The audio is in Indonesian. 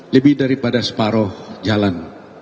lebih daripada separuh jalan